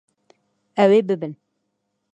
Ew ê bibin.